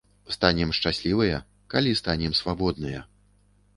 Станем шчаслівыя, калі станем свабодныя.